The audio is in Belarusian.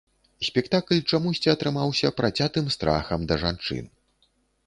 Спектакль чамусьці атрымаўся працятым страхам да жанчын.